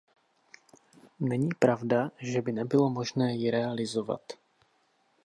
Není pravda, že by nebylo možné ji realizovat.